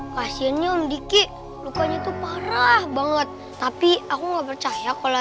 pasiennya dikit lukanya itu parah banget tapi aku nggak percaya kalau